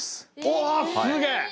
おすげえ！